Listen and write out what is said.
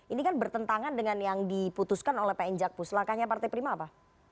ini kan bertentangan dengan yang diputuskan oleh pak enjak pus langkahnya partai prima apa